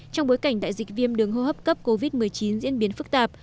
trong bối cảnh đại dịch viêm đường hô hấp cấp covid một mươi chín diễn biến phức tạp